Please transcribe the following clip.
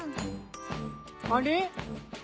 あれ？